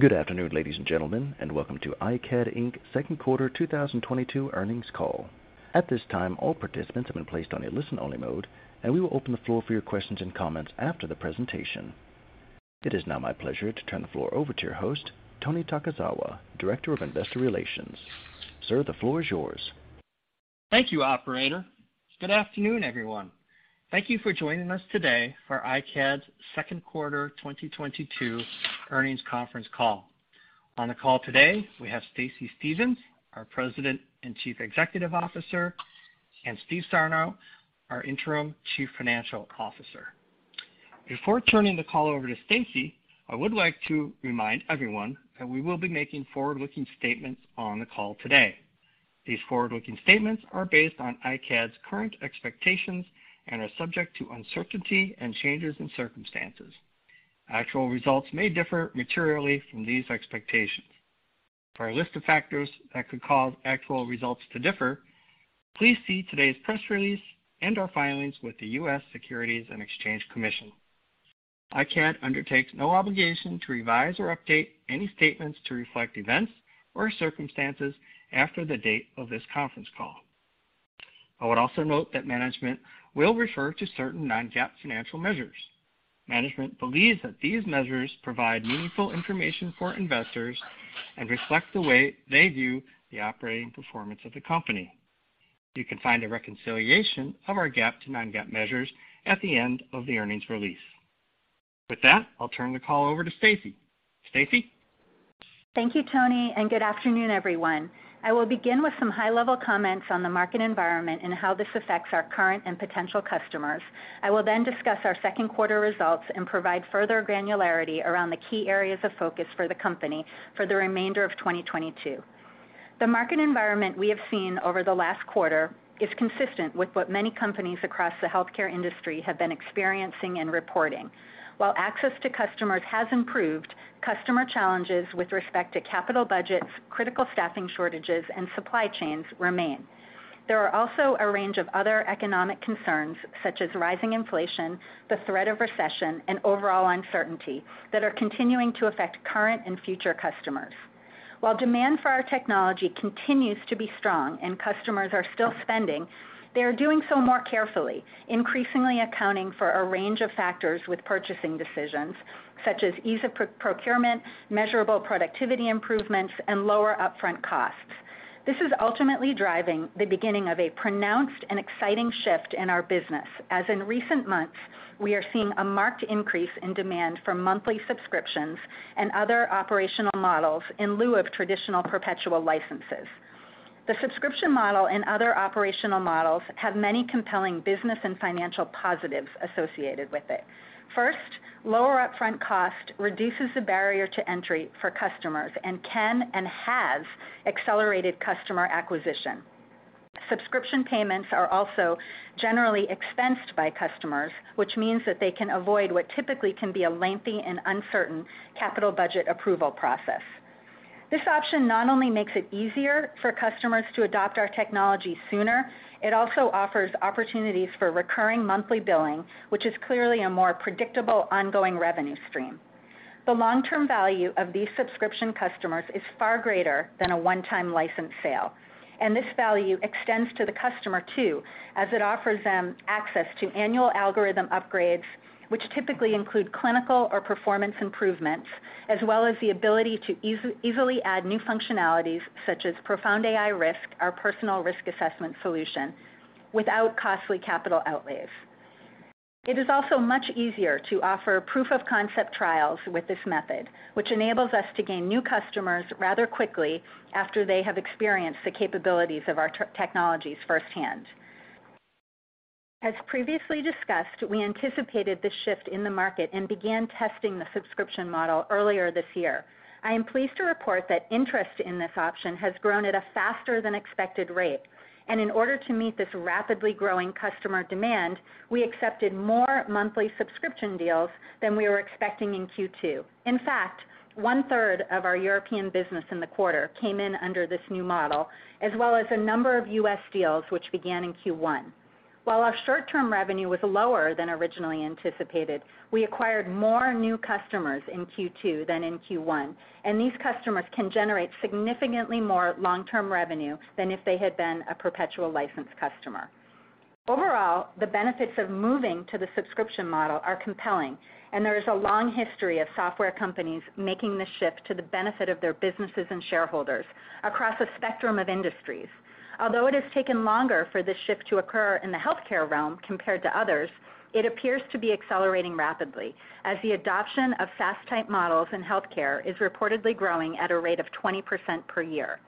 Good afternoon, ladies and gentlemen, and welcome to iCAD, Inc. Second Quarter 2022 earnings call. At this time, all participants have been placed on a listen-only mode, and we will open the floor for your questions and comments after the presentation. It is now my pleasure to turn the floor over to your host, Anthony Takazawa, Director of Investor Relations. Sir, the floor is yours. Thank you, operator. Good afternoon, everyone. Thank you for joining us today for iCAD's second quarter 2022 earnings conference call. On the call today, we have Stacey Stevens, our President and Chief Executive Officer, and Steve Sarno, our Interim Chief Financial Officer. Before turning the call over to Stacey, I would like to remind everyone that we will be making forward-looking statements on the call today. These forward-looking statements are based on iCAD's current expectations and are subject to uncertainty and changes in circumstances. Actual results may differ materially from these expectations. For a list of factors that could cause actual results to differ, please see today's press release and our filings with the U.S. Securities and Exchange Commission. iCAD undertakes no obligation to revise or update any statements to reflect events or circumstances after the date of this conference call. I would also note that management will refer to certain non-GAAP financial measures. Management believes that these measures provide meaningful information for investors and reflect the way they view the operating performance of the company. You can find a reconciliation of our GAAP to non-GAAP measures at the end of the earnings release. With that, I'll turn the call over to Stacey. Stacey. Thank you, Tony, and good afternoon, everyone. I will begin with some high-level comments on the market environment and how this affects our current and potential customers. I will then discuss our second quarter results and provide further granularity around the key areas of focus for the company for the remainder of 2022. The market environment we have seen over the last quarter is consistent with what many companies across the healthcare industry have been experiencing and reporting. While access to customers has improved, customer challenges with respect to capital budgets, critical staffing shortages, and supply chains remain. There are also a range of other economic concerns, such as rising inflation, the threat of recession, and overall uncertainty that are continuing to affect current and future customers. While demand for our technology continues to be strong and customers are still spending, they are doing so more carefully, increasingly accounting for a range of factors with purchasing decisions, such as ease of procurement, measurable productivity improvements, and lower upfront costs. This is ultimately driving the beginning of a pronounced and exciting shift in our business, as in recent months, we are seeing a marked increase in demand for monthly subscriptions and other operational models in lieu of traditional perpetual licenses. The subscription model and other operational models have many compelling business and financial positives associated with it. First, lower upfront cost reduces the barrier to entry for customers and can and has accelerated customer acquisition. Subscription payments are also generally expensed by customers, which means that they can avoid what typically can be a lengthy and uncertain capital budget approval process. This option not only makes it easier for customers to adopt our technology sooner, it also offers opportunities for recurring monthly billing, which is clearly a more predictable ongoing revenue stream. The long-term value of these subscription customers is far greater than a one-time license sale, and this value extends to the customer too, as it offers them access to annual algorithm upgrades, which typically include clinical or performance improvements, as well as the ability to easily add new functionalities such as ProFound AI Risk, our personal risk assessment solution, without costly capital outlays. It is also much easier to offer proof of concept trials with this method, which enables us to gain new customers rather quickly after they have experienced the capabilities of our technologies firsthand. As previously discussed, we anticipated this shift in the market and began testing the subscription model earlier this year. I am pleased to report that interest in this option has grown at a faster than expected rate, and in order to meet this rapidly growing customer demand, we accepted more monthly subscription deals than we were expecting in Q2. In fact, 1/3 of our European business in the quarter came in under this new model, as well as a number of U.S. deals, which began in Q1. While our short-term revenue was lower than originally anticipated, we acquired more new customers in Q2 than in Q1, and these customers can generate significantly more long-term revenue than if they had been a perpetual license customer. Overall, the benefits of moving to the subscription model are compelling, and there is a long history of software companies making the shift to the benefit of their businesses and shareholders across a spectrum of industries. Although it has taken longer for this shift to occur in the healthcare realm compared to others, it appears to be accelerating rapidly as the adoption of SaaS type models in healthcare is reportedly growing at a rate of 20% per year.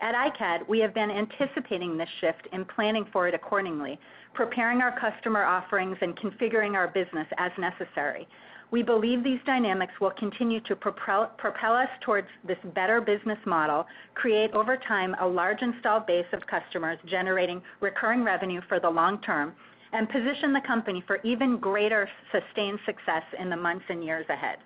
At iCAD, we have been anticipating this shift and planning for it accordingly, preparing our customer offerings and configuring our business as necessary. We believe these dynamics will continue to propel us towards this better business model, create over time a large installed base of customers generating recurring revenue for the long term, and position the company for even greater sustained success in the months and years ahead.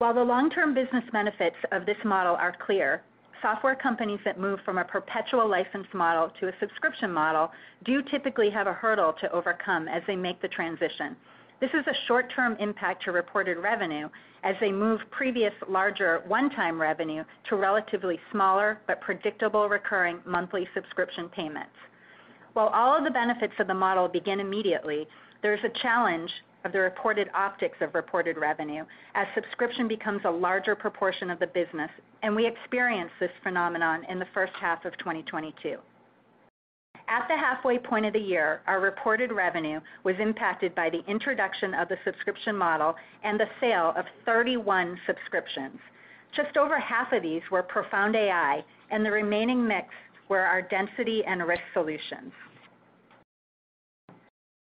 While the long-term business benefits of this model are clear, software companies that move from a perpetual license model to a subscription model do typically have a hurdle to overcome as they make the transition. This is a short-term impact to reported revenue as they move previous larger one-time revenue to relatively smaller but predictable recurring monthly subscription payments. While all of the benefits of the model begin immediately, there is a challenge of the reported optics of reported revenue as subscription becomes a larger proportion of the business, and we experience this phenomenon in the first half of 2022. At the halfway point of the year, our reported revenue was impacted by the introduction of the subscription model and the sale of 31 subscriptions. Just over half of these were ProFound AI, and the remaining mix were our Density and Risk solutions.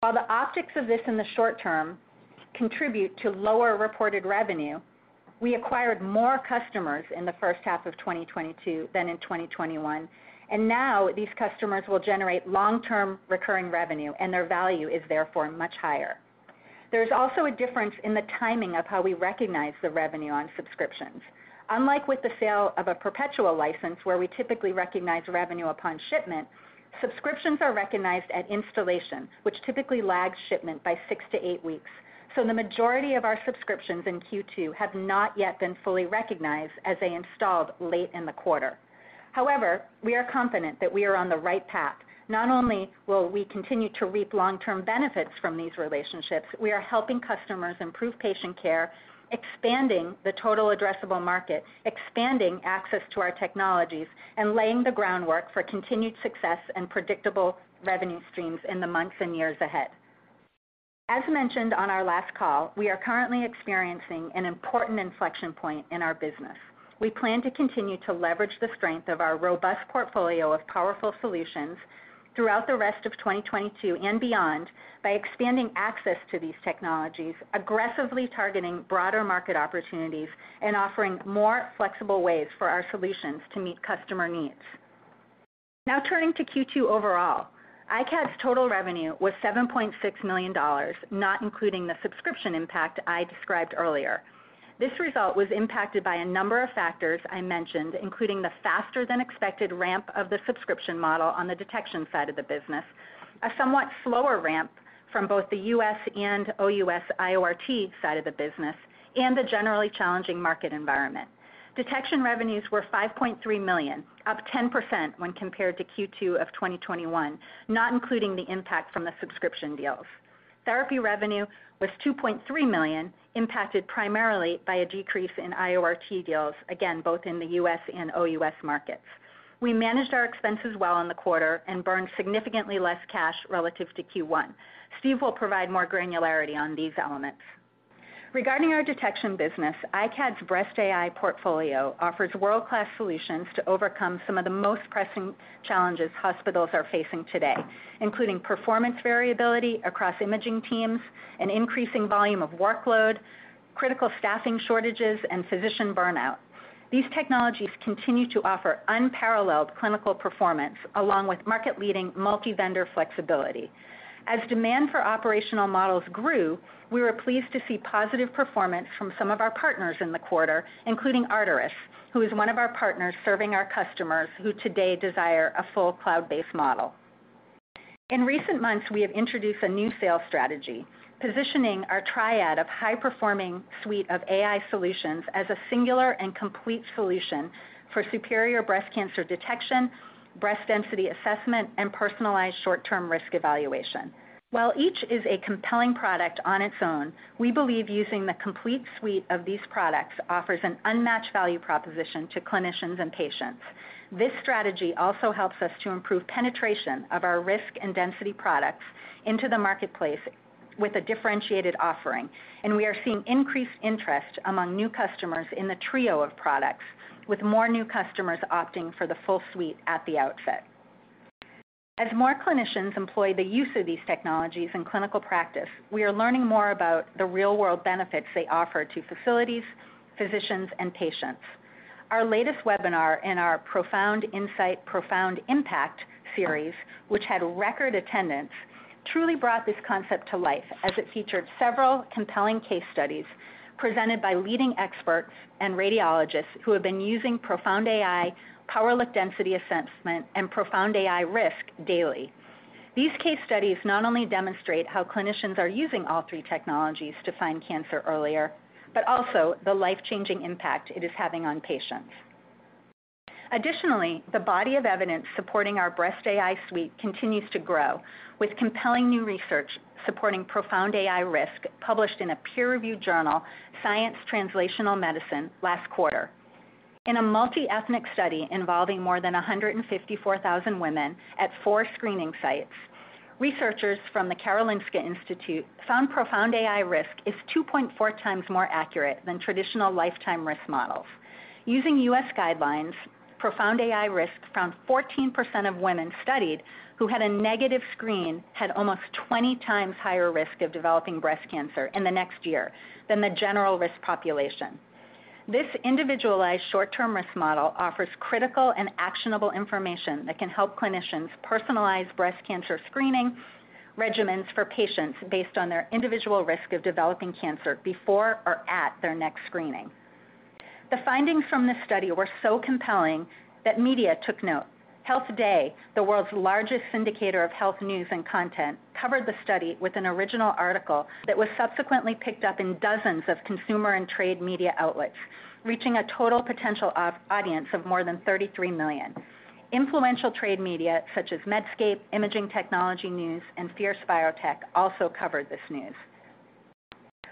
While the optics of this in the short term contribute to lower reported revenue, we acquired more customers in the first half of 2022 than in 2021, and now these customers will generate long-term recurring revenue, and their value is therefore much higher. There's also a difference in the timing of how we recognize the revenue on subscriptions. Unlike with the sale of a perpetual license, where we typically recognize revenue upon shipment, subscriptions are recognized at installation, which typically lags shipment by six to eight weeks. The majority of our subscriptions in Q2 have not yet been fully recognized as they installed late in the quarter. However, we are confident that we are on the right path. Not only will we continue to reap long-term benefits from these relationships, we are helping customers improve patient care, expanding the total addressable market, expanding access to our technologies, and laying the groundwork for continued success and predictable revenue streams in the months and years ahead. As mentioned on our last call, we are currently experiencing an important inflection point in our business. We plan to continue to leverage the strength of our robust portfolio of powerful solutions throughout the rest of 2022 and beyond by expanding access to these technologies, aggressively targeting broader market opportunities, and offering more flexible ways for our solutions to meet customer needs. Now turning to Q2 overall, iCAD's total revenue was $7.6 million, not including the subscription impact I described earlier. This result was impacted by a number of factors I mentioned, including the faster-than-expected ramp of the subscription model on the Detection side of the business, a somewhat slower ramp from both the U.S. and OUS IORT side of the business, and the generally challenging market environment. Detection revenues were $5.3 million, up 10% when compared to Q2 of 2021, not including the impact from the subscription deals. Therapy revenue was $2.3 million, impacted primarily by a decrease in IORT deals, again, both in the U.S. and OUS markets. We managed our expenses well in the quarter and burned significantly less cash relative to Q1. Steve will provide more granularity on these elements. Regarding our Detection business, iCAD's Breast AI portfolio offers world-class solutions to overcome some of the most pressing challenges hospitals are facing today, including performance variability across imaging teams, an increasing volume of workload, critical staffing shortages, and physician burnout. These technologies continue to offer unparalleled clinical performance along with market-leading multi-vendor flexibility. As demand for operational models grew, we were pleased to see positive performance from some of our partners in the quarter, including Arterys, who is one of our partners serving our customers who today desire a full cloud-based model. In recent months, we have introduced a new sales strategy, positioning our triad of high-performing suite of AI solutions as a singular and complete solution for superior breast cancer detection, Breast Density Assessment, and personalized short-term risk evaluation. While each is a compelling product on its own, we believe using the complete suite of these products offers an unmatched value proposition to clinicians and patients. This strategy also helps us to improve penetration of our Risk and Density products into the marketplace with a differentiated offering, and we are seeing increased interest among new customers in the trio of products, with more new customers opting for the full suite at the outset. As more clinicians employ the use of these technologies in clinical practice, we are learning more about the real-world benefits they offer to facilities, physicians, and patients. Our latest webinar in our ProFound Insight, ProFound Impact series, which had record attendance, truly brought this concept to life as it featured several compelling case studies presented by leading experts and radiologists who have been using ProFound AI, PowerLook Density Assessment, and ProFound AI Risk daily. These case studies not only demonstrate how clinicians are using all three technologies to find cancer earlier, but also the life-changing impact it is having on patients. Additionally, the body of evidence supporting our Breast AI suite continues to grow, with compelling new research supporting ProFound AI Risk published in a peer-reviewed journal, Science Translational Medicine, last quarter. In a multiethnic study involving more than 154,000 women at four screening sites, researchers from the Karolinska Institutet found ProFound AI Risk is 2.4 times more accurate than traditional lifetime risk models. Using U.S. guidelines, ProFound AI Risk found 14% of women studied who had a negative screen had almost 20 times higher risk of developing breast cancer in the next year than the general risk population. This individualized short-term risk model offers critical and actionable information that can help clinicians personalize breast cancer screening regimens for patients based on their individual risk of developing cancer before or at their next screening. The findings from this study were so compelling that media took note. HealthDay, the world's largest syndicator of health news and content, covered the study with an original article that was subsequently picked up in dozens of consumer and trade media outlets, reaching a total potential audience of more than 33 million. Influential trade media such as Medscape, Imaging Technology News, and Fierce Biotech also covered this news.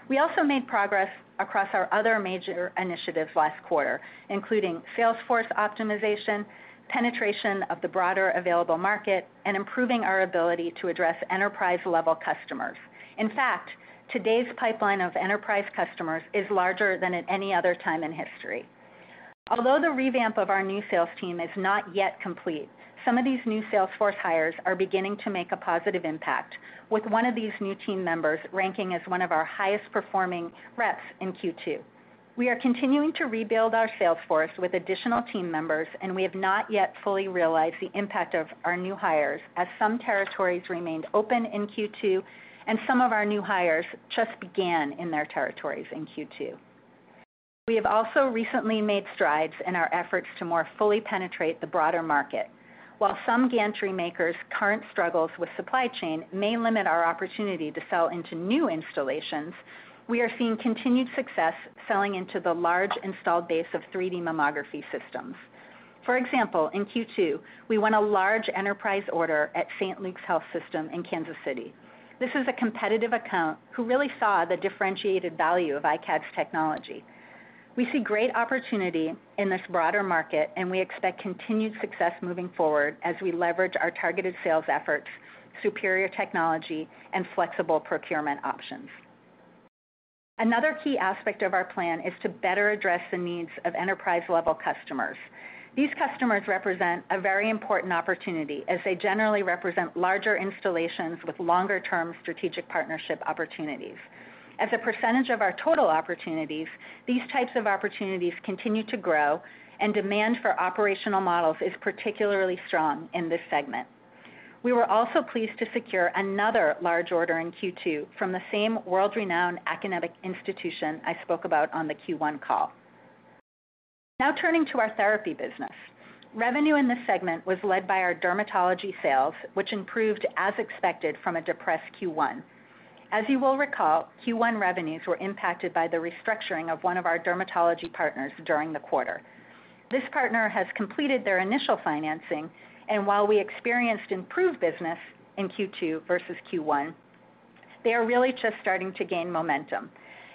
We also made progress across our other major initiatives last quarter, including sales force optimization, penetration of the broader available market, and improving our ability to address enterprise-level customers. In fact, today's pipeline of enterprise customers is larger than at any other time in history. Although the revamp of our new sales team is not yet complete, some of these new sales force hires are beginning to make a positive impact, with one of these new team members ranking as one of our highest performing reps in Q2. We are continuing to rebuild our sales force with additional team members, and we have not yet fully realized the impact of our new hires as some territories remained open in Q2 and some of our new hires just began in their territories in Q2. We have also recently made strides in our efforts to more fully penetrate the broader market. While some gantry makers' current struggles with supply chain may limit our opportunity to sell into new installations, we are seeing continued success selling into the large installed base of 3D mammography systems. For example, in Q2, we won a large enterprise order at Saint Luke's Health System in Kansas City. This is a competitive account who really saw the differentiated value of iCAD's technology. We see great opportunity in this broader market, and we expect continued success moving forward as we leverage our targeted sales efforts, superior technology, and flexible procurement options. Another key aspect of our plan is to better address the needs of enterprise-level customers. These customers represent a very important opportunity as they generally represent larger installations with longer-term strategic partnership opportunities. As a percentage of our total opportunities, these types of opportunities continue to grow and demand for operational models is particularly strong in this segment. We were also pleased to secure another large order in Q2 from the same world-renowned academic institution I spoke about on the Q1 call. Now turning to our Therapy business. Revenue in this segment was led by our dermatology sales, which improved as expected from a depressed Q1. As you will recall, Q1 revenues were impacted by the restructuring of one of our dermatology partners during the quarter. This partner has completed their initial financing, and while we experienced improved business in Q2 versus Q1, they are really just starting to gain momentum.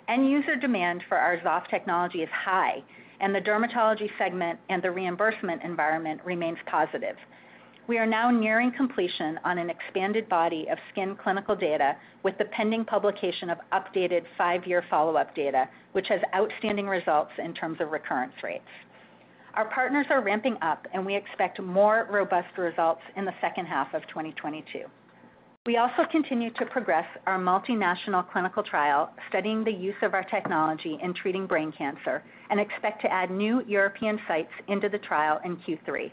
End user demand for our Xoft technology is high and the dermatology segment and the reimbursement environment remains positive. We are now nearing completion on an expanded body of skin clinical data with the pending publication of updated five-year follow-up data, which has outstanding results in terms of recurrence rates. Our partners are ramping up, and we expect more robust results in the second half of 2022. We also continue to progress our multinational clinical trial studying the use of our technology in treating brain cancer and expect to add new European sites into the trial in Q3.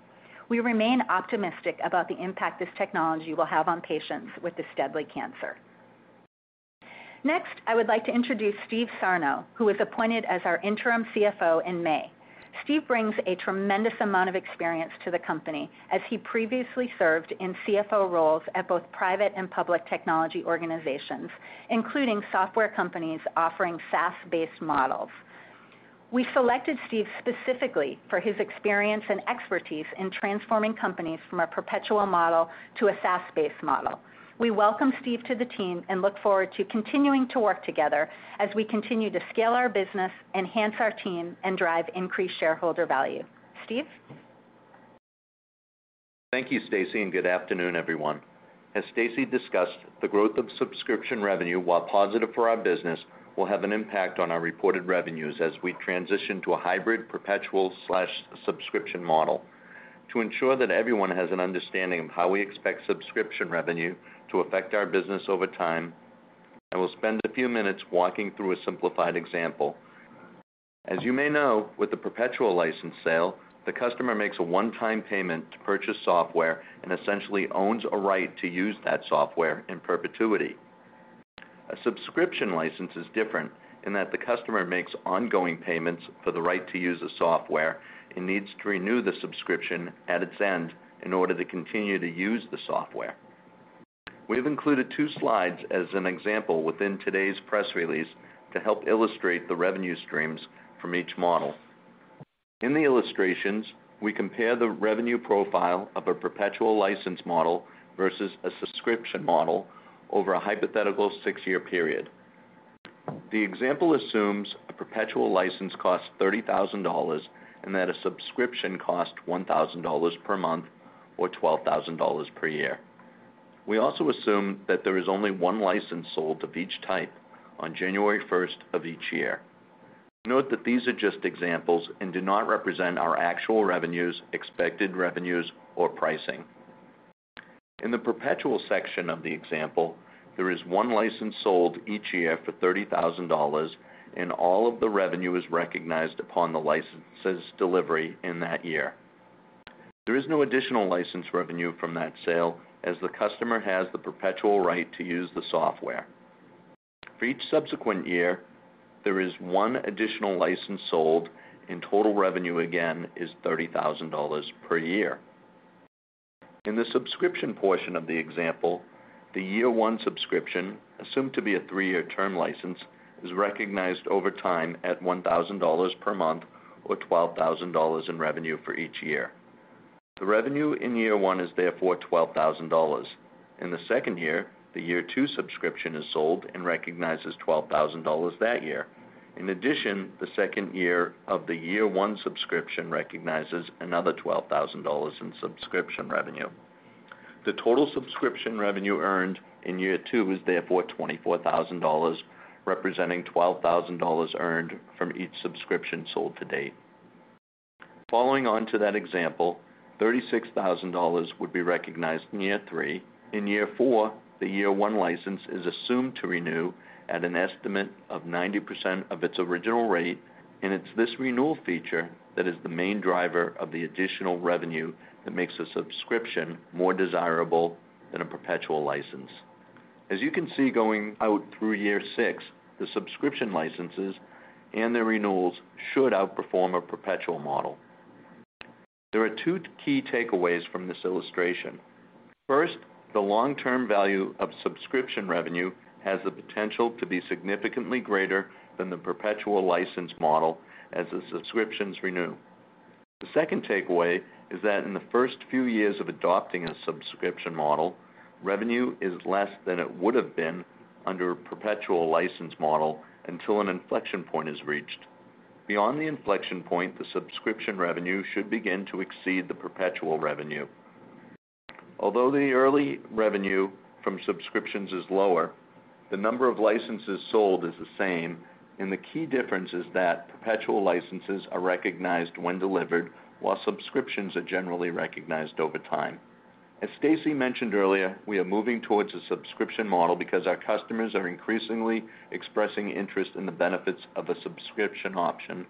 We remain optimistic about the impact this technology will have on patients with this deadly cancer. Next, I would like to introduce Steve Sarno, who was appointed as our Interim CFO in May. Steve brings a tremendous amount of experience to the company as he previously served in CFO roles at both private and public technology organizations, including software companies offering SaaS-based models. We selected Steve specifically for his experience and expertise in transforming companies from a perpetual model to a SaaS-based model. We welcome Steve to the team and look forward to continuing to work together as we continue to scale our business, enhance our team, and drive increased shareholder value. Steve. Thank you, Stacey, and good afternoon, everyone. As Stacey discussed, the growth of subscription revenue, while positive for our business, will have an impact on our reported revenues as we transition to a hybrid perpetual/subscription model. To ensure that everyone has an understanding of how we expect subscription revenue to affect our business over time, I will spend a few minutes walking through a simplified example. As you may know, with the perpetual license sale, the customer makes a one-time payment to purchase software and essentially owns a right to use that software in perpetuity. A subscription license is different in that the customer makes ongoing payments for the right to use the software and needs to renew the subscription at its end in order to continue to use the software. We have included two slides as an example within today's press release to help illustrate the revenue streams from each model. In the illustrations, we compare the revenue profile of a perpetual license model versus a subscription model over a hypothetical six-year period. The example assumes a perpetual license costs $30,000 and that a subscription costs $1,000 per month or $12,000 per year. We also assume that there is only one license sold of each type on January first of each year. Note that these are just examples and do not represent our actual revenues, expected revenues, or pricing. In the perpetual section of the example, there is one license sold each year for $30,000, and all of the revenue is recognized upon the license's delivery in that year. There is no additional license revenue from that sale as the customer has the perpetual right to use the software. For each subsequent year, there is one additional license sold and total revenue again is $30,000 per year. In the subscription portion of the example, the year one subscription, assumed to be a three-year term license, is recognized over time at $1,000 per month or $12,000 in revenue for each year. The revenue in year one is therefore $12,000. In the second year, the year two subscription is sold and recognizes $12,000 that year. In addition, the second year of the year one subscription recognizes another $12,000 in subscription revenue. The total subscription revenue earned in year two is therefore $24,000, representing $12,000 earned from each subscription sold to date. Following on to that example, $36,000 would be recognized in year three. In year four, the year one license is assumed to renew at an estimate of 90% of its original rate, and it's this renewal feature that is the main driver of the additional revenue that makes a subscription more desirable than a perpetual license. As you can see, going out through year six, the subscription licenses and their renewals should outperform a perpetual model. There are two key takeaways from this illustration. First, the long-term value of subscription revenue has the potential to be significantly greater than the perpetual license model as the subscriptions renew. The second takeaway is that in the first few years of adopting a subscription model, revenue is less than it would have been under a perpetual license model until an inflection point is reached. Beyond the inflection point, the subscription revenue should begin to exceed the perpetual revenue. Although the early revenue from subscriptions is lower, the number of licenses sold is the same, and the key difference is that perpetual licenses are recognized when delivered, while subscriptions are generally recognized over time. As Stacey mentioned earlier, we are moving towards a subscription model because our customers are increasingly expressing interest in the benefits of a subscription option,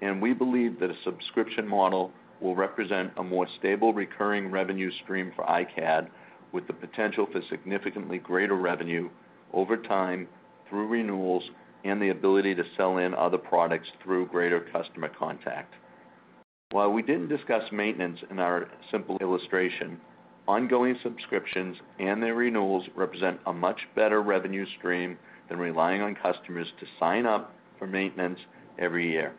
and we believe that a subscription model will represent a more stable recurring revenue stream for iCAD, with the potential for significantly greater revenue over time through renewals and the ability to sell in other products through greater customer contact. While we didn't discuss maintenance in our simple illustration, ongoing subscriptions and their renewals represent a much better revenue stream than relying on customers to sign up for maintenance every year.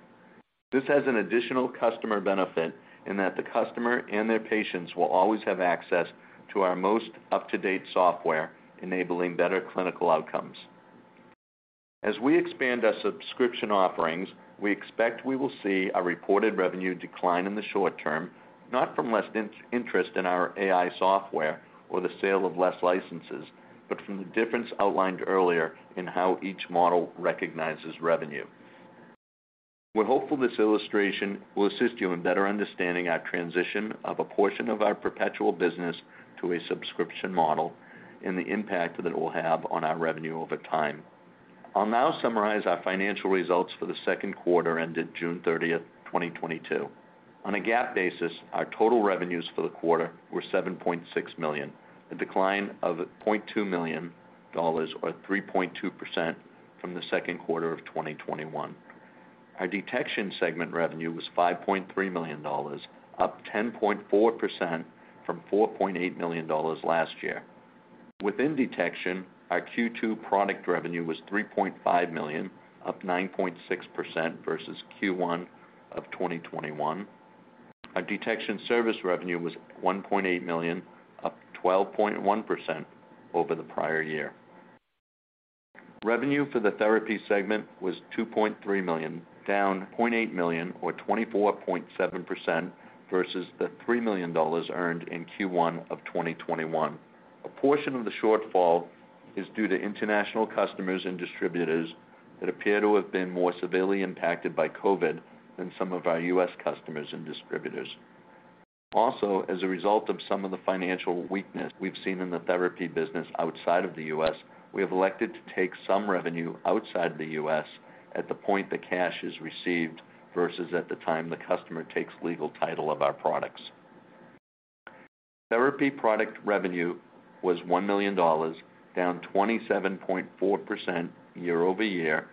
This has an additional customer benefit in that the customer and their patients will always have access to our most up-to-date software, enabling better clinical outcomes. As we expand our subscription offerings, we expect we will see a reported revenue decline in the short term, not from less interest in our AI software or the sale of less licenses, but from the difference outlined earlier in how each model recognizes revenue. We're hopeful this illustration will assist you in better understanding our transition of a portion of our perpetual business to a subscription model and the impact that it will have on our revenue over time. I'll now summarize our financial results for the second quarter ended June 30, 2022. On a GAAP basis, our total revenues for the quarter were $7.6 million, a decline of $0.2 million or 3.2% from the second quarter of 2021. Our Detection segment revenue was $5.3 million, up 10.4% from $4.8 million last year. Within Detection, our Q2 product revenue was $3.5 million, up 9.6% versus Q1 of 2021. Our Detection service revenue was $1.8 million, up 12.1% over the prior year. Revenue for the Therapy segment was $2.3 million, down $0.8 million or 24.7% versus the $3 million earned in Q1 of 2021. A portion of the shortfall is due to international customers and distributors that appear to have been more severely impacted by COVID than some of our U.S. customers and distributors. Also, as a result of some of the financial weakness we've seen in the Therapy business outside of the U.S., we have elected to take some revenue outside the U.S. at the point the cash is received versus at the time the customer takes legal title of our products. Therapy product revenue was $1 million, down 27.4% year over year,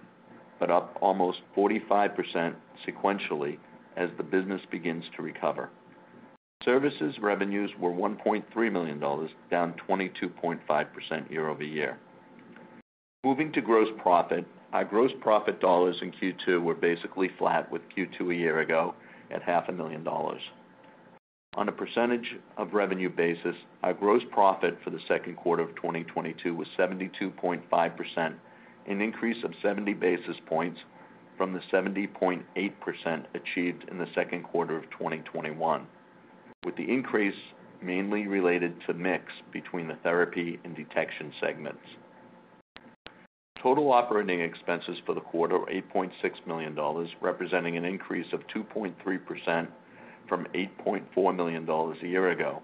but up almost 45% sequentially as the business begins to recover. Services revenues were $1.3 million, down 22.5% year over year. Moving to gross profit. Our gross profit dollars in Q2 were basically flat with Q2 a year ago at $0.5 million. On a percentage of revenue basis, our gross profit for the second quarter of 2022 was 72.5%, an increase of 70 basis points from the 70.8% achieved in the second quarter of 2021, with the increase mainly related to mix between the Therapy and Detection segments. Total operating expenses for the quarter, $8.6 million, representing an increase of 2.3% from $8.4 million a year ago.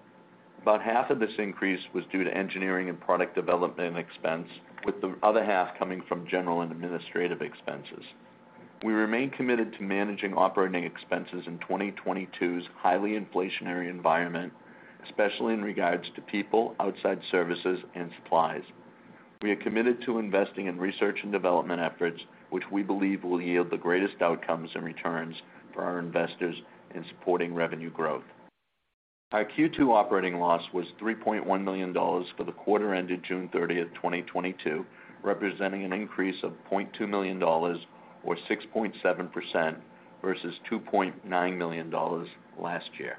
About half of this increase was due to engineering and product development expense, with the other half coming from general and administrative expenses. We remain committed to managing operating expenses in 2022's highly inflationary environment, especially in regards to people, outside services, and supplies. We are committed to investing in research and development efforts, which we believe will yield the greatest outcomes and returns for our investors in supporting revenue growth. Our Q2 operating loss was $3.1 million for the quarter ended June 30, 2022, representing an increase of $0.2 million or 6.7% versus $2.9 million last year.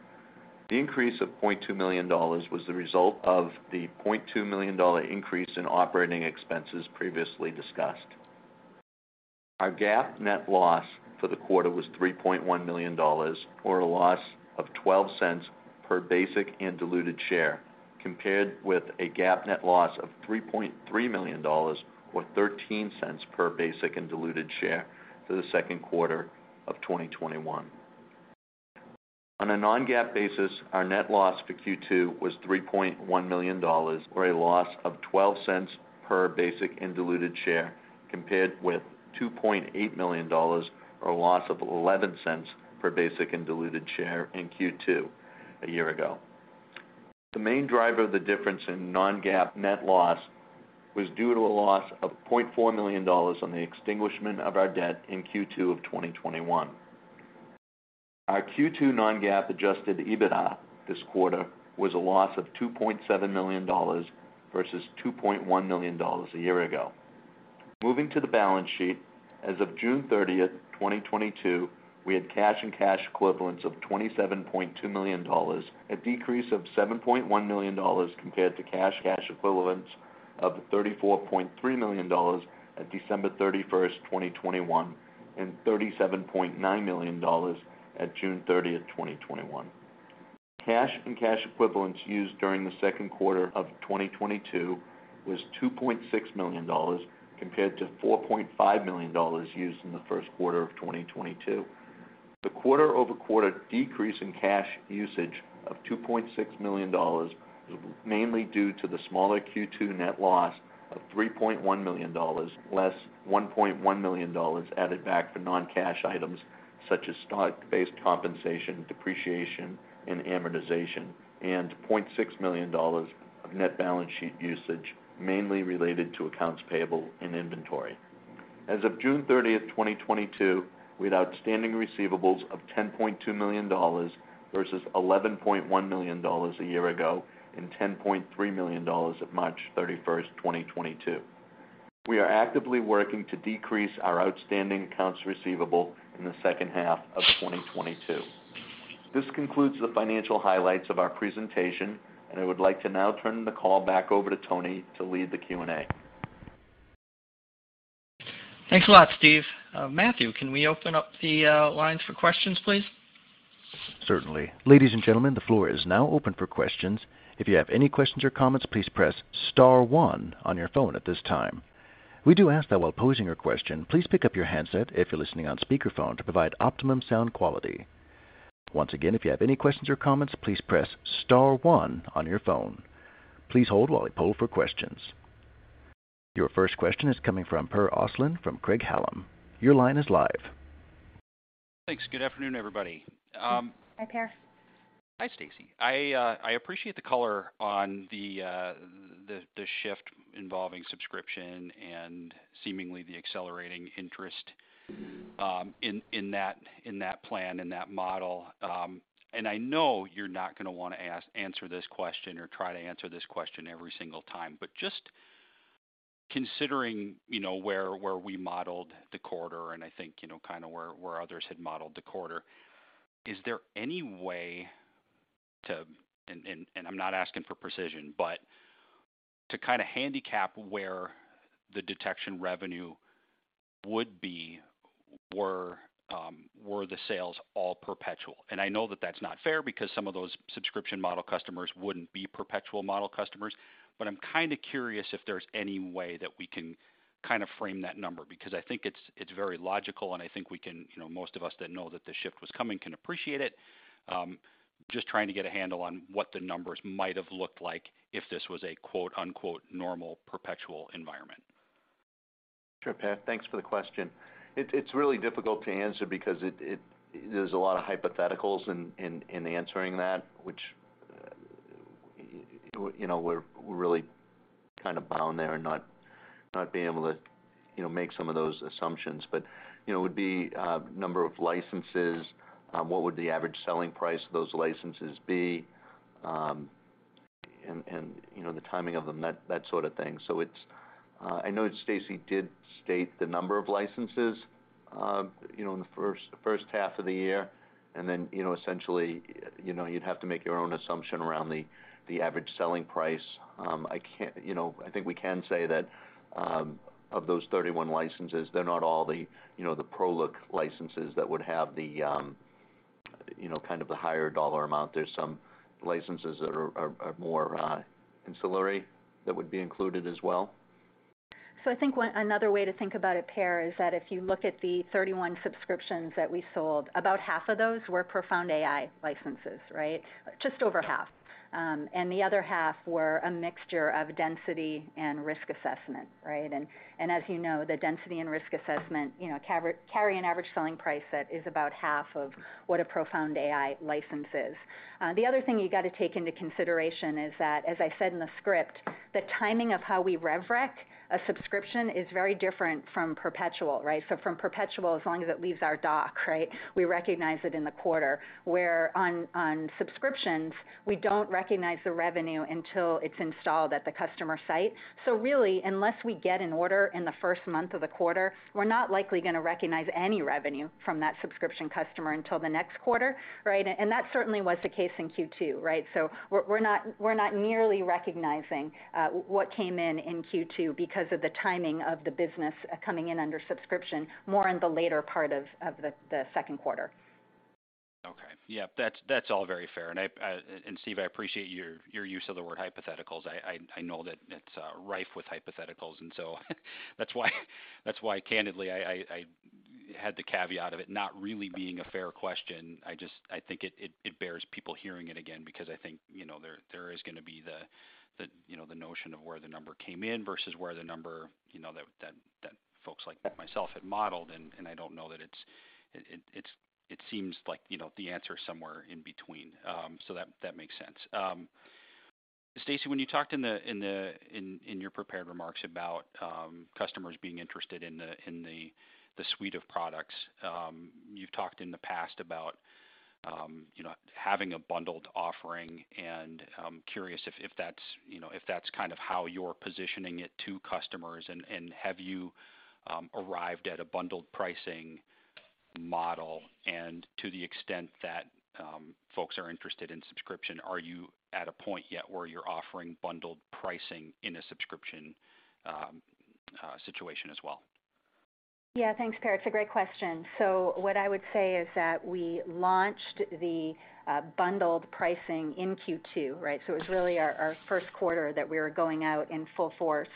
The increase of $0.2 million was the result of the $0.2 million increase in operating expenses previously discussed. Our GAAP net loss for the quarter was $3.1 million or a loss of $0.12 per basic and diluted share, compared with a GAAP net loss of $3.3 million or $0.13 per basic and diluted share for the second quarter of 2021. On a non-GAAP basis, our net loss for Q2 was $3.1 million or a loss of $0.12 per basic and diluted share, compared with $2.8 million or a loss of $0.11 per basic and diluted share in Q2 a year ago. The main driver of the difference in non-GAAP net loss was due to a loss of $0.4 million on the extinguishment of our debt in Q2 of 2021. Our Q2 non-GAAP adjusted EBITDA this quarter was a loss of $2.7 million versus $2.1 million a year ago. Moving to the balance sheet, as of June 30, 2022, we had cash and cash equivalents of $27.2 million, a decrease of $7.1 million compared to cash and cash equivalents of $34.3 million at December 31, 2021, and $37.9 million at June 30, 2021. Cash and cash equivalents used during the second quarter of 2022 was $2.6 million compared to $4.5 million used in the first quarter of 2022. The quarter-over-quarter decrease in cash usage of $2.6 million was mainly due to the smaller Q2 net loss of $3.1 million less $1.1 million added back for non-cash items such as stock-based compensation, depreciation, and amortization, and $0.6 million of net balance sheet usage, mainly related to accounts payable and inventory. As of June 30th, 2022, we had outstanding receivables of $10.2 million versus $11.1 million a year ago and $10.3 million at March 31st, 2022. We are actively working to decrease our outstanding accounts receivable in the second half of 2022. This concludes the financial highlights of our presentation, and I would like to now turn the call back over to Tony to lead the Q&A. Thanks a lot, Steve. Matthew, can we open up the lines for questions, please? Certainly. Ladies and gentlemen, the floor is now open for questions. If you have any questions or comments, please press star one on your phone at this time. We do ask that while posing your question, please pick up your handset if you're listening on speakerphone to provide optimum sound quality. Once again, if you have any questions or comments, please press star one on your phone. Please hold while we poll for questions. Your first question is coming from Per Ostlund from Craig-Hallum. Your line is live. Thanks. Good afternoon, everybody. Hi, Per. Hi, Stacey. I appreciate the color on the shift involving subscription and seemingly the accelerating interest in that plan, in that model. I know you're not gonna wanna answer this question or try to answer this question every single time, but just considering, you know, where we modeled the quarter and I think, you know, kinda where others had modeled the quarter, is there any way to. I'm not asking for precision, but to kinda handicap where the Detection revenue would be, were the sales all perpetual. I know that that's not fair because some of those subscription model customers wouldn't be perpetual model customers, but I'm kinda curious if there's any way that we can kinda frame that number because I think it's very logical, and I think we can. You know, most of us that know that the shift was coming can appreciate it. Just trying to get a handle on what the numbers might have looked like if this was a, quote-unquote, "normal perpetual environment." Sure, Per. Thanks for the question. It's really difficult to answer because there's a lot of hypotheticals in answering that, which, you know, we're really kind of bound there and not being able to, you know, make some of those assumptions. But, you know, it would be number of licenses, what would the average selling price of those licenses be, and, you know, the timing of them, that sort of thing. It's. I know Stacey did state the number of licenses, you know, in the first half of the year and then, you know, essentially, you know, you'd have to make your own assumption around the average selling price. I can't. You know, I think we can say that of those 31 licenses, they're not all the, you know, the PowerLook licenses that would have the, you know, kind of the higher dollar amount. There's some licenses that are more ancillary that would be included as well. I think another way to think about it, Per, is that if you look at the 31 subscriptions that we sold, about half of those were ProFound AI licenses, right? Just over half. The other half were a mixture of Density and Risk Assessment, right? As you know, the Density and Risk Assessment, you know, carry an average selling price that is about half of what a ProFound AI license is. The other thing you gotta take into consideration is that, as I said in the script, the timing of how we rev rec a subscription is very different from perpetual, right? From perpetual, as long as it leaves our dock, right, we recognize it in the quarter. Whereas on subscriptions, we don't recognize the revenue until it's installed at the customer site. Really, unless we get an order in the first month of the quarter, we're not likely gonna recognize any revenue from that subscription customer until the next quarter, right? That certainly was the case in Q2, right? We're not nearly recognizing what came in in Q2 because of the timing of the business coming in under subscription more in the later part of the second quarter. Okay. Yeah. That's all very fair. Steve, I appreciate your use of the word hypotheticals. I know that it's rife with hypotheticals and so that's why candidly I had the caveat of it not really being a fair question. I think it bears people hearing it again because I think, you know, there is gonna be the, you know, the notion of where the number came in versus where the number, you know, that folks like myself had modeled, and I don't know that it's. It seems like, you know, the answer is somewhere in between. That makes sense. Stacey, when you talked in your prepared remarks about customers being interested in the suite of products, you've talked in the past about, you know, having a bundled offering, and I'm curious if that's, you know, if that's kind of how you're positioning it to customers, and have you arrived at a bundled pricing model? To the extent that folks are interested in subscription, are you at a point yet where you're offering bundled pricing in a subscription situation as well? Yeah. Thanks, Per. It's a great question. What I would say is that we launched the bundled pricing in Q2, right? It was really our first quarter that we were going out in full force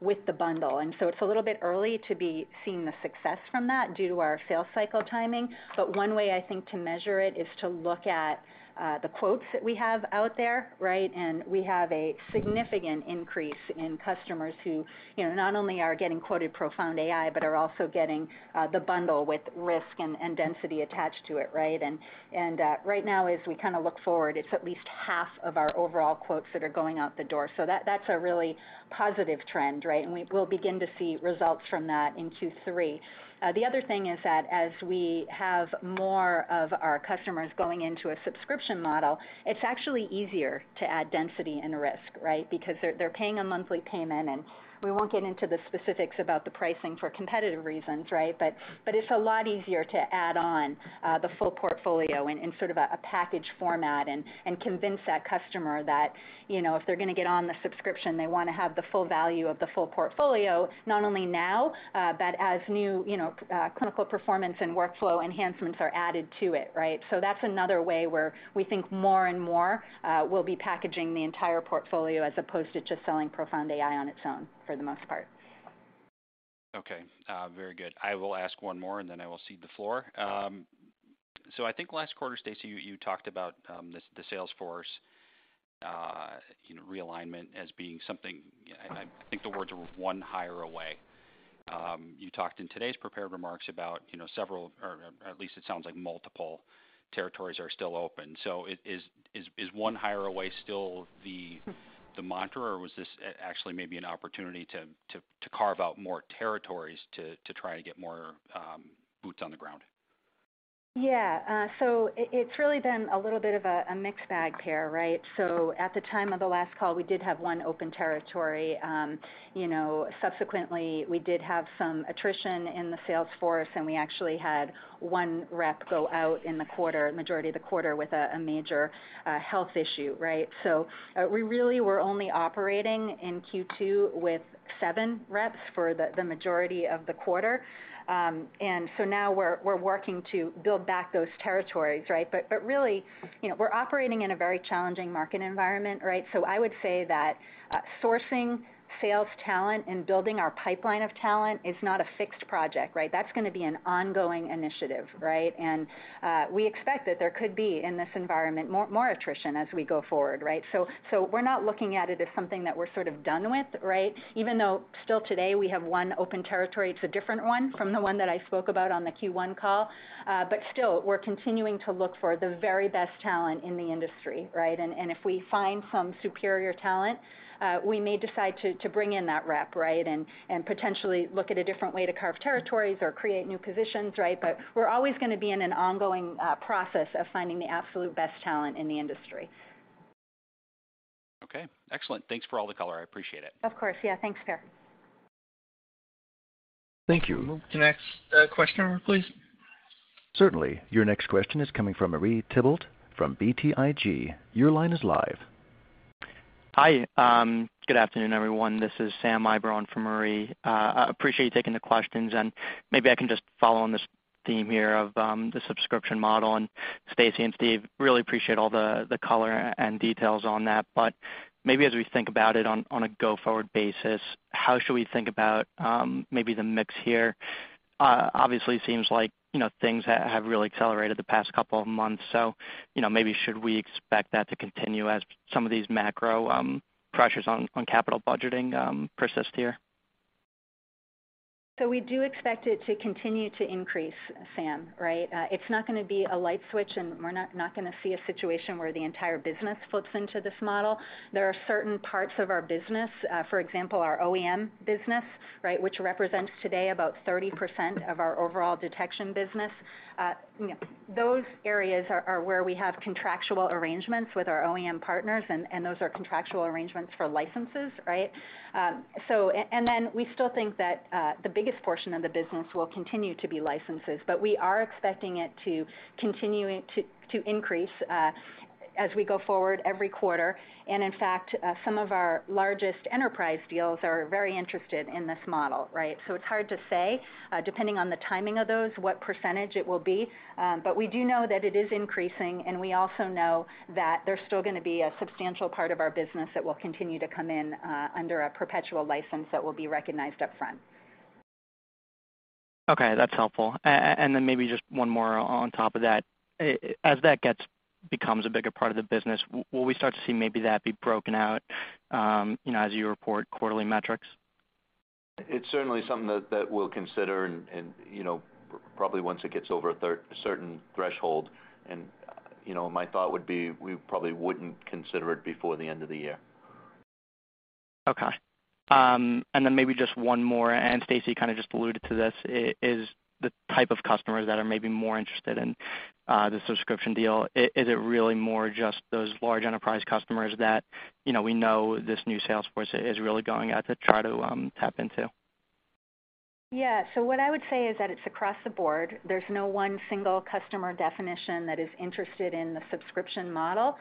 with the bundle. It's a little bit early to be seeing the success from that due to our sales cycle timing. One way I think to measure it is to look at the quotes that we have out there, right? We have a significant increase in customers who, you know, not only are getting quoted ProFound AI, but are also getting the bundle with Risk and Density attached to it, right? Right now as we kinda look forward, it's at least half of our overall quotes that are going out the door. That, that's a really positive trend, right? We will begin to see results from that in Q3. The other thing is that as we have more of our customers going into a subscription model, it's actually easier to add Density and Risk, right? Because they're paying a monthly payment, and we won't get into the specifics about the pricing for competitive reasons, right? It's a lot easier to add on the full portfolio in sort of a package format and convince that customer that, you know, if they're gonna get on the subscription, they wanna have the full value of the full portfolio, not only now, but as new, you know, clinical performance and workflow enhancements are added to it, right? That's another way where we think more and more, we'll be packaging the entire portfolio as opposed to just selling ProFound AI on its own for the most part. Okay. Very good. I will ask one more, and then I will cede the floor. I think last quarter, Stacey, you talked about the sales force realignment as being something. I think the words were one hire away. You talked in today's prepared remarks about several or at least it sounds like multiple territories are still open. Is one hire away still the mantra, or was this actually maybe an opportunity to carve out more territories to try to get more boots on the ground? Yeah. So it's really been a little bit of a mixed bag, Per, right? At the time of the last call, we did have one open territory. You know, subsequently, we did have some attrition in the sales force, and we actually had one rep go out in the quarter, majority of the quarter with a major health issue, right? We really were only operating in Q2 with seven reps for the majority of the quarter. Now we're working to build back those territories, right? Really, you know, we're operating in a very challenging market environment, right? I would say that sourcing sales talent and building our pipeline of talent is not a fixed project, right? That's gonna be an ongoing initiative, right? We expect that there could be, in this environment, more attrition as we go forward, right? We're not looking at it as something that we're sort of done with, right? Even though still today we have one open territory, it's a different one from the one that I spoke about on the Q1 call. Still, we're continuing to look for the very best talent in the industry, right? If we find some superior talent, we may decide to bring in that rep, right? Potentially look at a different way to carve territories or create new positions, right? We're always gonna be in an ongoing process of finding the absolute best talent in the industry. Okay. Excellent. Thanks for all the color. I appreciate it. Of course. Yeah. Thanks, Per. Thank you. Can I ask the next question, please? Certainly. Your next question is coming from Marie Thibault from BTIG. Your line is live. Hi. Good afternoon, everyone. This is Sam Eiber on for Marie. I appreciate you taking the questions, and maybe I can just follow on this theme here of the subscription model, and Stacey and Steve really appreciate all the color and details on that. But maybe as we think about it on a go-forward basis, how should we think about maybe the mix here? Obviously seems like, you know, things have really accelerated the past couple of months, so, you know, maybe should we expect that to continue as some of these macro pressures on capital budgeting persist here? We do expect it to continue to increase, Sam, right? It's not gonna be a light switch, and we're not gonna see a situation where the entire business flips into this model. There are certain parts of our business, for example, our OEM business, right, which represents today about 30% of our overall Detection business. Those areas are where we have contractual arrangements with our OEM partners, and those are contractual arrangements for licenses, right? We still think that the biggest portion of the business will continue to be licenses. We are expecting it to continue to increase as we go forward every quarter. In fact, some of our largest enterprise deals are very interested in this model, right? It's hard to say, depending on the timing of those, what percentage it will be. We do know that it is increasing, and we also know that there's still gonna be a substantial part of our business that will continue to come in, under a perpetual license that will be recognized upfront. Okay, that's helpful. Maybe just one more on top of that. As that becomes a bigger part of the business, will we start to see maybe that be broken out, you know, as you report quarterly metrics? It's certainly something that we'll consider and, you know, probably once it gets over a certain threshold. You know, my thought would be we probably wouldn't consider it before the end of the year. Okay. Maybe just one more, and Stacey kind of just alluded to this, is the type of customers that are maybe more interested in the subscription deal. Is it really more just those large enterprise customers that, you know, we know this new sales force is really going out to try to tap into? Yeah. What I would say is that it's across the board. There's no one single customer definition that is interested in the subscription model.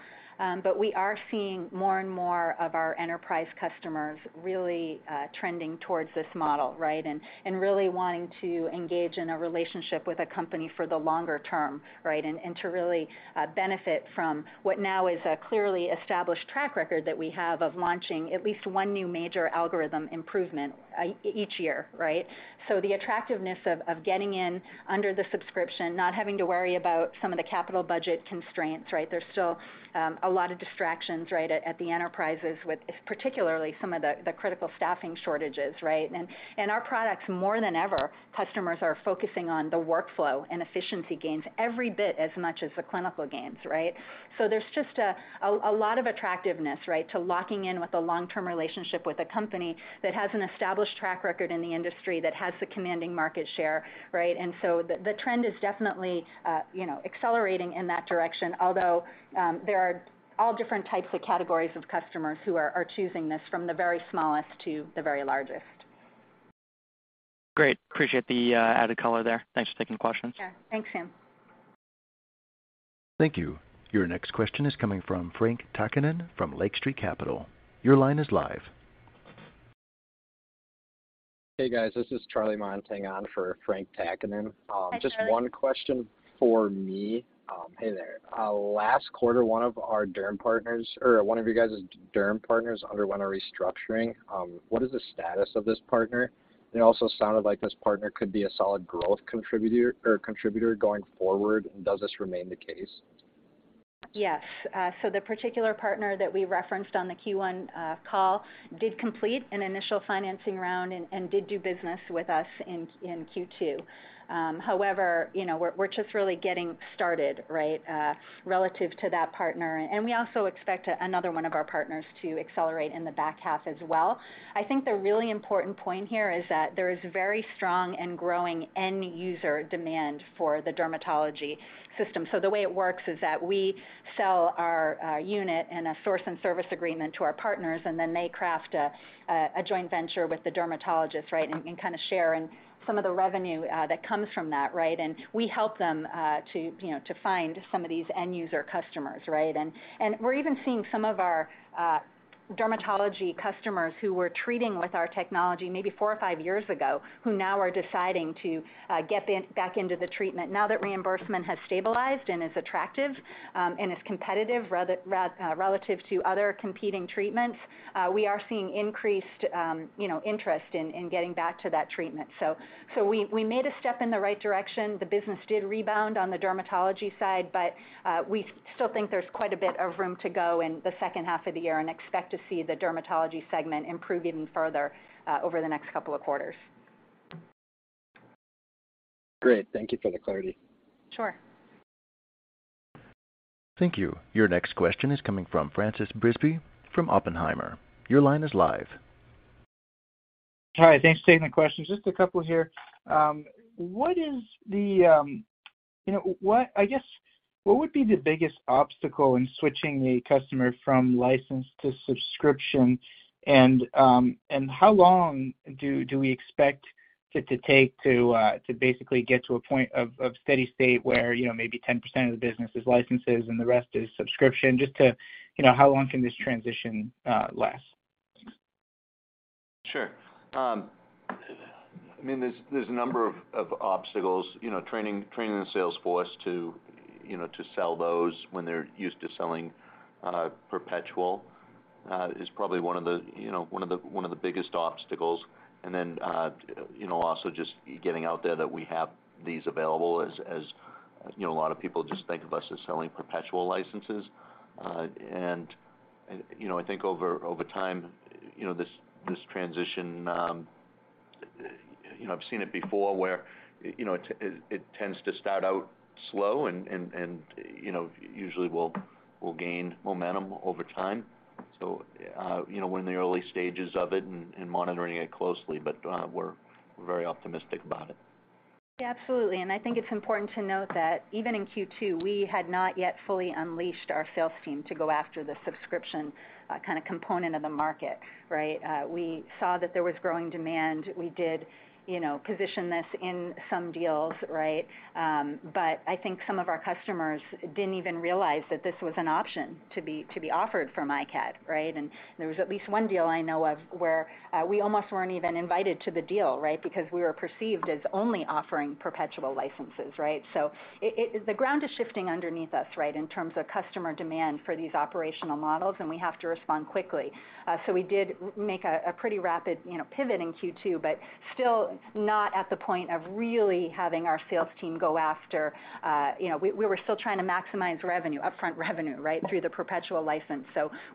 We are seeing more and more of our enterprise customers really trending towards this model, right? And really wanting to engage in a relationship with a company for the longer term, right? And to really benefit from what now is a clearly established track record that we have of launching at least one new major algorithm improvement each year, right? The attractiveness of getting in under the subscription, not having to worry about some of the capital budget constraints, right? There's still a lot of distractions, right, at the enterprises with particularly some of the critical staffing shortages, right? Our products, more than ever, customers are focusing on the workflow and efficiency gains every bit as much as the clinical gains, right? There's just a lot of attractiveness, right, to locking in with a long-term relationship with a company that has an established track record in the industry that has the commanding market share, right? The trend is definitely, you know, accelerating in that direction. There are all different types of categories of customers who are choosing this from the very smallest to the very largest. Great. Appreciate the added color there. Thanks for taking the questions. Sure. Thanks, Sam. Thank you. Your next question is coming from Frank Takkinen from Lake Street Capital. Your line is live. Hey, guys. This is Charlie Montang on for Frank Takkinen. Hi, Charlie. Just one question for me. Hey there. Last quarter, one of our derm partners or one of you guys' derm partners underwent a restructuring. What is the status of this partner? It also sounded like this partner could be a solid growth contributor going forward. Does this remain the case? Yes. So the particular partner that we referenced on the Q1 call did complete an initial financing round and did do business with us in Q2. However, you know, we're just really getting started, right, relative to that partner. We also expect another one of our partners to accelerate in the back half as well. I think the really important point here is that there is very strong and growing end user demand for the dermatology system. The way it works is that we sell our unit and a source and service agreement to our partners, and then they craft a joint venture with the dermatologist, right, and kind of share in some of the revenue that comes from that, right? We help them to you know to find some of these end user customers, right? We're even seeing some of our dermatology customers who were treating with our technology maybe four or five years ago, who now are deciding to get back into the treatment now that reimbursement has stabilized and is attractive, and is competitive relative to other competing treatments. We are seeing increased you know interest in getting back to that treatment. We made a step in the right direction. The business did rebound on the dermatology side, but we still think there's quite a bit of room to go in the second half of the year and expect to see the dermatology segment improve even further over the next couple of quarters. Great. Thank you for the clarity. Sure. Thank you. Your next question is coming from François Brisebois from Oppenheimer. Your line is live. Hi. Thanks for taking the questions. Just a couple here. I guess, what would be the biggest obstacle in switching a customer from licensed to subscription? How long do we expect it to take to basically get to a point of steady state where you know, maybe 10% of the business is licenses and the rest is subscription? Just to, you know, how long can this transition last? Sure. I mean, there's a number of obstacles, you know, training the sales force to, you know, to sell those when they're used to selling perpetual is probably one of the biggest obstacles. You know, also just getting out there that we have these available as you know, a lot of people just think of us as selling perpetual licenses. I think over time, you know, this transition, you know, I've seen it before where, you know, it tends to start out slow and you know, usually will gain momentum over time. You know, we're in the early stages of it and monitoring it closely, but we're very optimistic about it. Yeah, absolutely. I think it's important to note that even in Q2, we had not yet fully unleashed our sales team to go after the subscription kind of component of the market, right? We saw that there was growing demand. We did, you know, position this in some deals, right? But I think some of our customers didn't even realize that this was an option to be offered from iCAD, right? There was at least one deal I know of where we almost weren't even invited to the deal, right? Because we were perceived as only offering perpetual licenses, right? The ground is shifting underneath us, right? In terms of customer demand for these operational models, and we have to respond quickly. We did make a pretty rapid, you know, pivot in Q2, but still not at the point of really having our sales team go after. You know, we were still trying to maximize revenue, upfront revenue, right, through the perpetual license.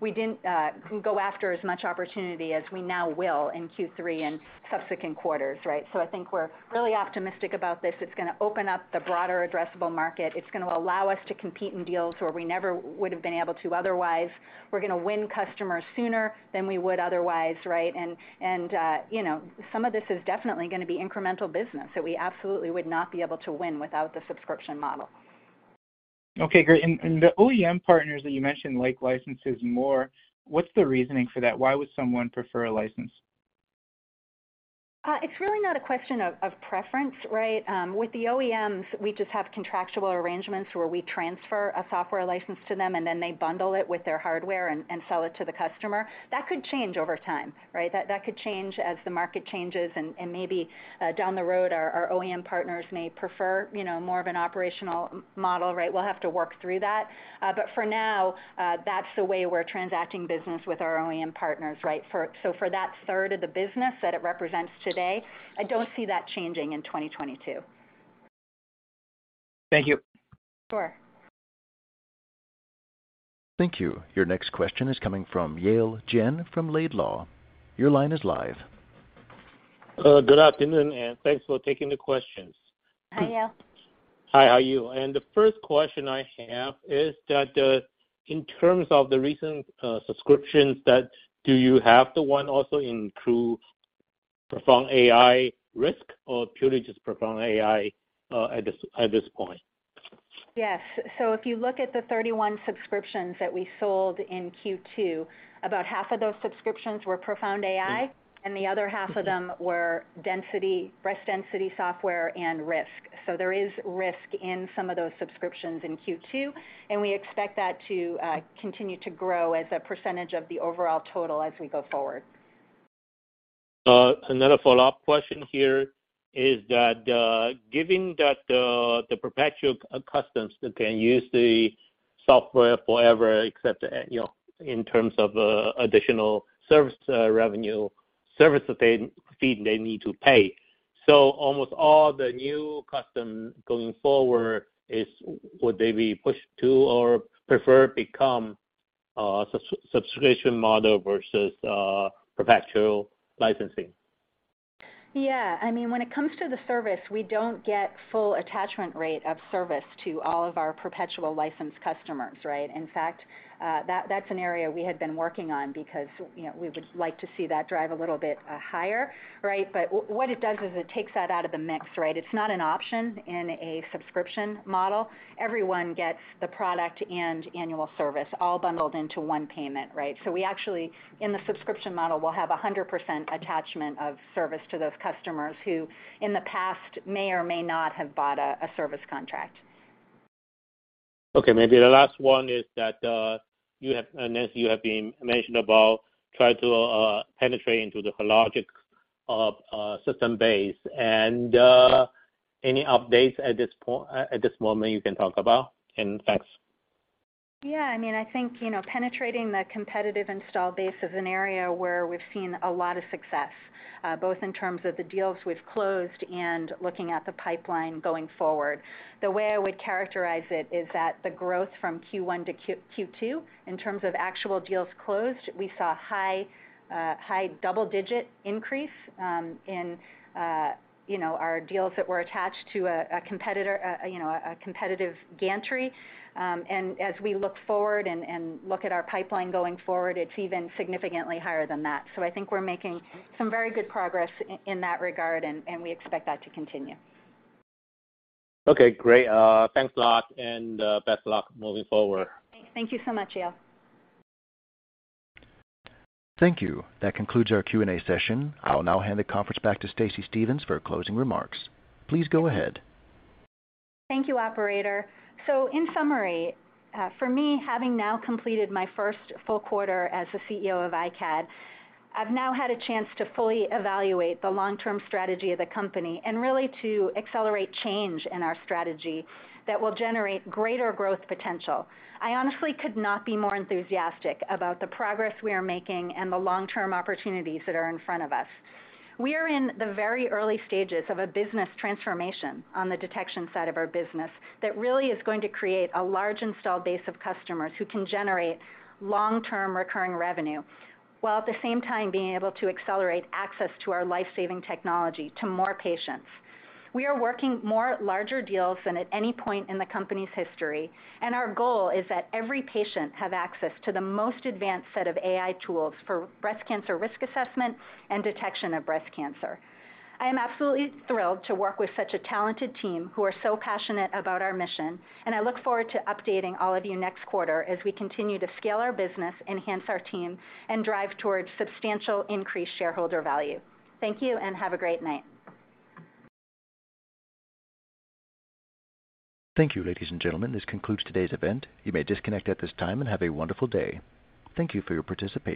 We didn't go after as much opportunity as we now will in Q3 and subsequent quarters, right? I think we're really optimistic about this. It's gonna open up the broader addressable market. It's gonna allow us to compete in deals where we never would've been able to otherwise. We're gonna win customers sooner than we would otherwise, right? You know, some of this is definitely gonna be incremental business that we absolutely would not be able to win without the subscription model. Okay, great. The OEM partners that you mentioned like licenses more, what's the reasoning for that? Why would someone prefer a license? It's really not a question of preference, right? With the OEMs, we just have contractual arrangements where we transfer a software license to them, and then they bundle it with their hardware and sell it to the customer. That could change over time, right? That could change as the market changes and maybe down the road, our OEM partners may prefer, you know, more of an operational model, right? We'll have to work through that. For now, that's the way we're transacting business with our OEM partners, right? For that third of the business that it represents today, I don't see that changing in 2022. Thank you. Sure. Thank you. Your next question is coming from Yale Jen from Laidlaw. Your line is live. Good afternoon, and thanks for taking the questions. Hi, Yale. Hi, how are you? The first question I have is that in terms of the recent subscriptions, do the ones also include ProFound AI Risk or purely just ProFound AI at this point? Yes. If you look at the 31 subscriptions that we sold in Q2, about half of those subscriptions were ProFound AI, and the other half of them were Density, Breast Density Software and Risk. There is Risk in some of those subscriptions in Q2, and we expect that to continue to grow as a percentage of the overall total as we go forward. Another follow-up question here is that, given that, the perpetual customers can use the software forever, except, you know, in terms of, additional service revenue that they need to pay. Almost all the new customers going forward, would they be pushed to or prefer become, subscription model versus, perpetual licensing? Yeah. I mean, when it comes to the service, we don't get full attachment rate of service to all of our perpetual license customers, right? In fact, that's an area we had been working on because, you know, we would like to see that drive a little bit higher, right? But what it does is it takes that out of the mix, right? It's not an option in a subscription model. Everyone gets the product and annual service all bundled into one payment, right? So we actually, in the subscription model, will have 100% attachment of service to those customers who in the past may or may not have bought a service contract. Okay. Maybe the last one is that unless you have mentioned about trying to penetrate into the Hologic system base and any updates at this moment you can talk about? And thanks. Yeah. I mean, I think, you know, penetrating the competitive install base is an area where we've seen a lot of success, both in terms of the deals we've closed and looking at the pipeline going forward. The way I would characterize it is that the growth from Q1 to Q2 in terms of actual deals closed, we saw high double-digit increase in you know our deals that were attached to a competitor, you know, a competitive gantry. And as we look forward and look at our pipeline going forward, it's even significantly higher than that. I think we're making some very good progress in that regard, and we expect that to continue. Okay, great. Thanks a lot and best of luck moving forward. Thank you so much, Yale. Thank you. That concludes our Q&A session. I'll now hand the conference back to Stacey Stevens for closing remarks. Please go ahead. Thank you, operator. In summary, for me, having now completed my first full quarter as the CEO of iCAD, I've now had a chance to fully evaluate the long-term strategy of the company and really to accelerate change in our strategy that will generate greater growth potential. I honestly could not be more enthusiastic about the progress we are making and the long-term opportunities that are in front of us. We are in the very early stages of a business transformation on the Detection side of our business that really is going to create a large installed base of customers who can generate long-term recurring revenue while at the same time being able to accelerate access to our life-saving technology to more patients. We are working on more larger deals than at any point in the company's history, and our goal is that every patient have access to the most advanced set of AI tools for breast cancer Risk Assessment and Detection of breast cancer. I am absolutely thrilled to work with such a talented team who are so passionate about our mission, and I look forward to updating all of you next quarter as we continue to scale our business, enhance our team, and drive towards substantial increased shareholder value. Thank you and have a great night. Thank you, ladies and gentlemen. This concludes today's event. You may disconnect at this time and have a wonderful day. Thank you for your participation.